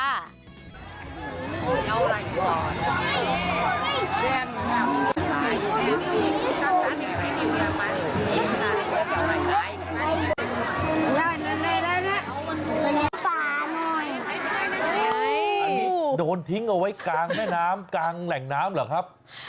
อันนี้โดนทิ้งเอาไว้กลางแม่น้ำกลางแหล่งน้ำเหรอครับ